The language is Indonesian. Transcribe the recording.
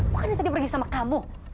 bukannya tadi pergi sama kamu